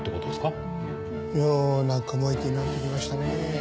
妙な雲行きになってきましたね。